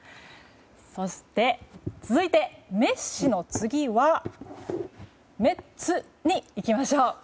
そして、続いてメッシの次はメッツに行きましょう。